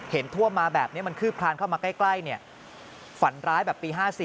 ท่วมมาแบบนี้มันคืบคลานเข้ามาใกล้ฝันร้ายแบบปี๕๔